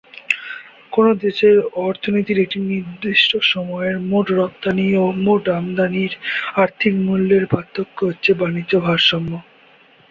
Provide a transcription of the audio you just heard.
কোন দেশের অর্থনীতির একটি নির্দিষ্ট সময়ের মোট রপ্তানি ও মোট আমদানির আর্থিক মূল্যের পার্থক্য হচ্ছে বাণিজ্য ভারসাম্য।